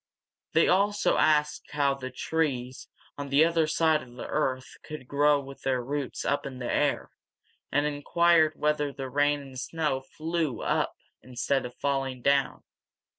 They also asked how the trees on the other side of the earth could grow with their roots up in the air, and inquired whether the rain and snow flew up instead of falling down.